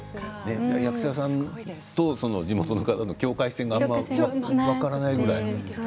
役者さんと地元の方の境界線が分からないぐらい